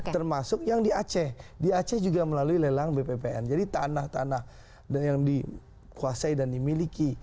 termasuk yang di aceh di aceh juga melalui lelang bppn jadi tanah tanah yang dikuasai dan dimiliki